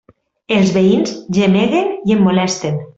Els veïns gemeguen i em molesten.